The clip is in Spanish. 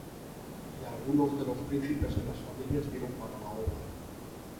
Y algunos de los príncipes de las familias dieron para la obra.